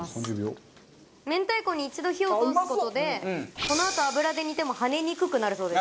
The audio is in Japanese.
明太子に一度火を通す事でそのあと油で煮ても跳ねにくくなるそうです。